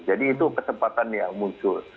jadi itu kesempatan yang muncul